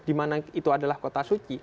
dimana itu adalah kota suci